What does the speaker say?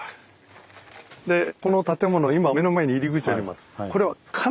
でこの建物今目の前に入り口あります。